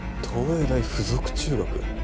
東永大附属中学？